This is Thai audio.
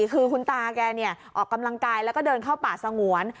คือคุณตาแกออกกำลังกายแล้วก็เดินเข้าป่าสงวน